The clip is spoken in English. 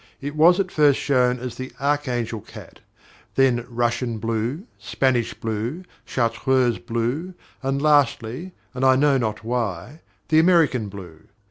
It was at first shown as the Archangel cat, then Russian blue, Spanish blue, Chartreuse blue, and, lastly, and I know not why, the American blue.